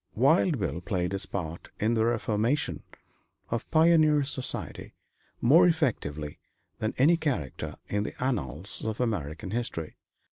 Wild Bill played his part in the reformation of pioneer society more effectively than any character in the annals of American history.